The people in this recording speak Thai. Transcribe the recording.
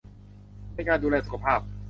ในการดูแลสุขภาพ